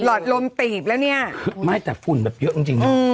อดลมตีบแล้วเนี่ยไม่แต่ฝุ่นแบบเยอะจริงจริงนะ